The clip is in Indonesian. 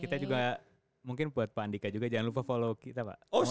kita juga mungkin buat pak anika juga jangan lupa follow kita di instagram ya pak anika